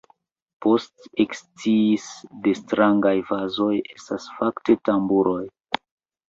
Poste eksciis ke strangaj vazoj estas fakte tamburoj.